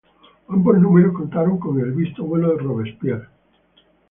Ambos números contaron con el visto bueno de Robespierre.